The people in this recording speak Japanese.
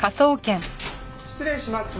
失礼します。